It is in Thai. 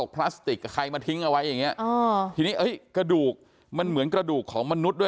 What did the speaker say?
พลาสติกกับใครมาทิ้งเอาไว้อย่างเงี้ทีนี้เอ้ยกระดูกมันเหมือนกระดูกของมนุษย์ด้วย